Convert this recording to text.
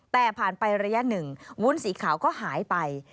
แต่ผ่านไประยะหนึ่งวุ้นสีขาวก็หายไป